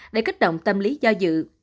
để kích động tâm lý do dự